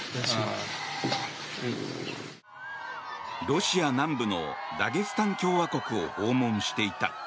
ロシア南部のダゲスタン共和国を訪問していた。